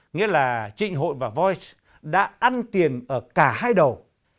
nghĩa là trịnh hội và voice đã ăn tiền ở cả hai đầu